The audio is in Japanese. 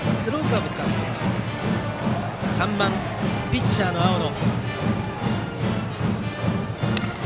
３番、ピッチャーの青野。